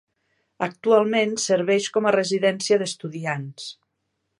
Actualment serveix com a residència d'estudiants.